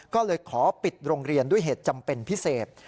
ก็เลยขอปิดโรงเรียนด้วยเหตุจำเป็นพิเศษ